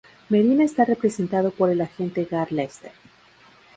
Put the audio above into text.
Medina está representado por el agente Gar Lester.